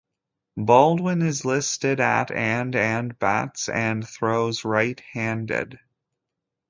Baldwin is listed at and and bats and throws right handed.